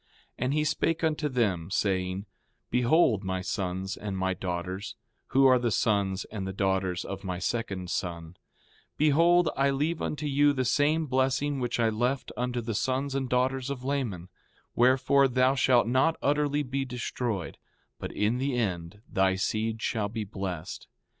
4:9 And he spake unto them, saying: Behold, my sons and my daughters, who are the sons and the daughters of my second son; behold I leave unto you the same blessing which I left unto the sons and daughters of Laman; wherefore, thou shalt not utterly be destroyed; but in the end thy seed shall be blessed.